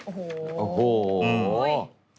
โอ้โฮโอ้โฮอุ๊ย